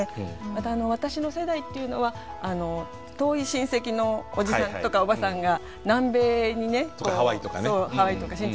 また私の世代っていうのは遠い親戚のおじさんとかおばさんが南米にね。とかハワイとかね。